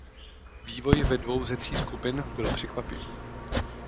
Vývoj ve dvou ze tří skupin byl překvapivý.